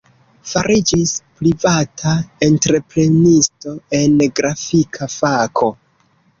Fariĝis privata entreprenisto en grafika fako.